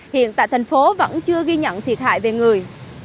hiện tại thành phố vẫn chưa ghi nhận thiệt hại về người